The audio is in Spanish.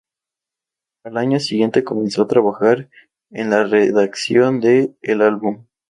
Al año siguiente comenzó a trabajar en la redacción de "El Álbum".